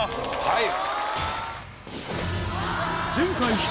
はい。